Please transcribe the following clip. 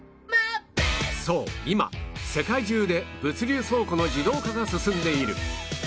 そう今世界中で物流倉庫の自動化が進んでいる